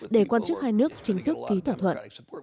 để quan chức hai nước chính thức ký thỏa thuận